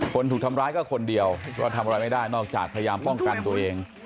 คนถูกทำร้ายก็คนเดียวก็ทำอะไรไม่ได้นอกจากพยายามป้องกันตัวเอง